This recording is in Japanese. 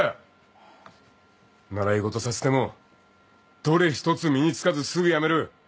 習い事させてもどれ一つ身に付かずすぐ辞める。